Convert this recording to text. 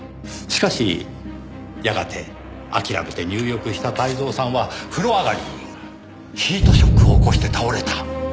しかしやがて諦めて入浴した泰造さんは風呂上がりにヒートショックを起こして倒れた。